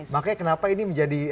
makanya kenapa ini menjadi